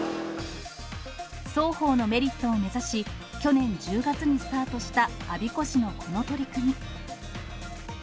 双方のメリットを目指し、去年１０月にスタートした我孫子市のこの取り組み。